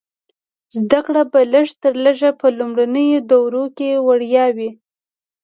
زده کړه به لږ تر لږه په لومړنیو دورو کې وړیا وي.